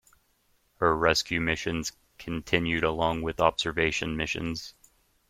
Her rescue missions continued along with observation missions.